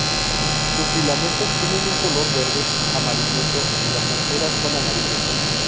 Sus filamentos tienen un color verde amarillento, y las anteras son amarillas.